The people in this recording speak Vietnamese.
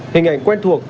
hình ảnh quen thuộc